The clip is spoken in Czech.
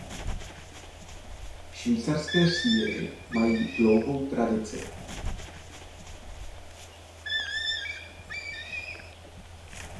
Švýcarské sýry mají dlouhou tradici.